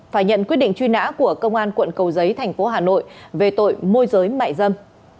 phải nhận quyết định truy nã của công an quận cầu giấy thành phố hà nội về tội môi giới mại dâm